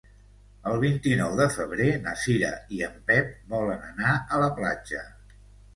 El vint-i-nou de febrer na Cira i en Pep volen anar a la platja.